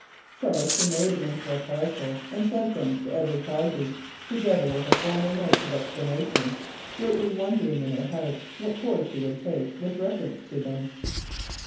So she made them into a parcel and sent them to Edward Cossey, together with a formal note of explanation, greatly wondering in her heart what course he would take with reference to them.